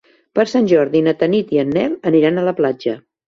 Per Sant Jordi na Tanit i en Nel aniran a la platja.